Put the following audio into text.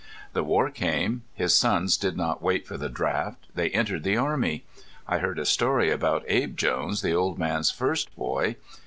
The war came. His sons did not wait for the draft. They entered the army. I heard a story about Abe Jones, the old man's first boy.